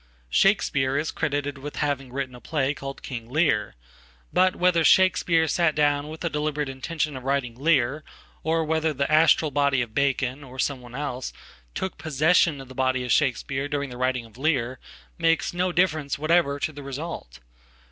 Shakespeare is creditedwith having written a play called King Lear. But whetherShakespeare sat down with the deliberate intention of writing Lear, or whether the astral body of Bacon, or someone else, tookpossession of the body of Shakespeare during the writing of Lear, makes no difference whatever to the result.